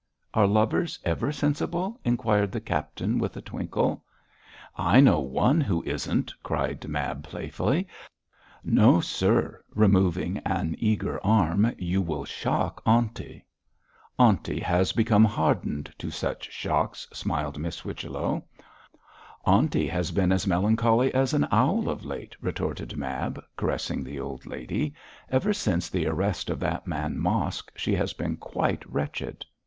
'Are lovers ever sensible?' inquired the captain, with a twinkle. 'I know one who isn't,' cried Mab, playfully. 'No, sir,' removing an eager arm, 'you will shock aunty.' 'Aunty has become hardened to such shocks,' smiled Miss Whichello. 'Aunty has been as melancholy as an owl of late,' retorted Mab, caressing the old lady; 'ever since the arrest of that man Mosk she has been quite wretched.'